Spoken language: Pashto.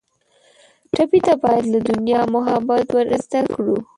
ټپي ته باید له دنیا محبت ور زده کړو.